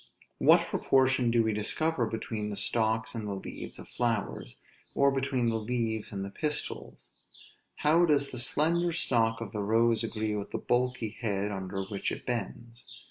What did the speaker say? What proportion do we discover between the stalks and the leaves of flowers, or between the leaves and the pistils? How does the slender stalk of the rose agree with the bulky head under which it bends?